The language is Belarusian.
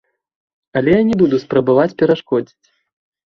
Але я не буду спрабаваць перашкодзіць.